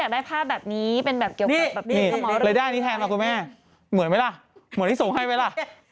อันนี้แทนมาครับแม่เหมือนไหมล่ะเหมือนที่ส่งให้ไหมล่ะ